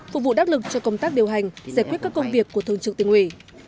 phục vụ đắc lực cho công tác điều hành giải quyết các công việc của thường trực tỉnh ủy